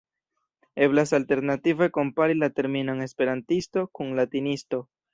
Eblas alternative kompari la terminon 'esperantisto' kun 'latinisto'.